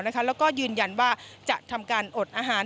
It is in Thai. แล้วก็ยืนยันว่าจะทำการอดอาหาร